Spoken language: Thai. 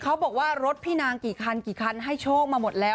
เขาบอกว่ารถพี่นางกี่คันกี่คันให้โชคมาหมดแล้ว